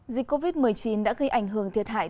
dịch covid một mươi chín đã gây ảnh hưởng thiệt hại